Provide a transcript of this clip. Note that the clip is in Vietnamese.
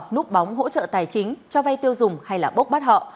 núp bóng hỗ trợ tài chính cho vay tiêu dùng hay là bốc bắt họ